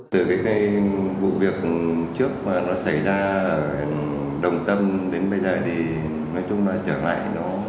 từ cái vụ việc trước mà nó xảy ra đồng tâm đến bây giờ thì nói chung là trở lại